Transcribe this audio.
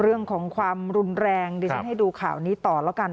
เรื่องของความรุนแรงดิฉันให้ดูข่าวนี้ต่อแล้วกัน